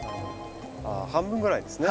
あ半分ぐらいですね。